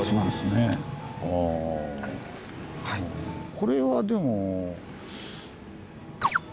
これはでも。